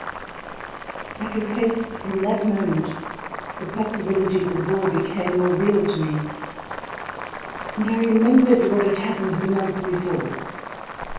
I confess that from that moment the possibilities of war became more real to me, and I remembered what had happened the month before.